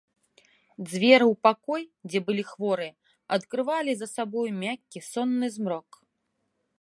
Дзверы ў пакой, дзе былі хворыя, адкрывалі за сабою мяккі сонны змрок.